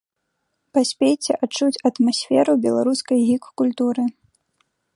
Паспейце адчуць атмасферу беларускай гік-культуры.